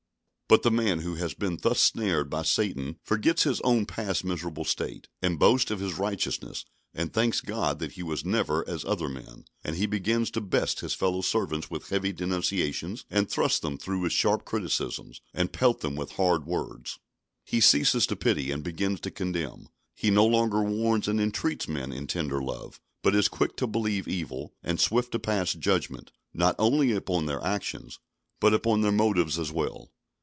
But the man who has been thus snared by Satan forgets his own past miserable state, and boasts of his righteousness, and thanks God that he was never as other men, and he begins to beat his fellow servants with heavy denunciations, and thrust them through with sharp criticisms, and pelt them with hard words. He ceases to pity, and begins to condemn; he no longer warns and entreats men in tender love, but is quick to believe evil, and swift to pass judgment, not only upon their actions, but upon their motives as well.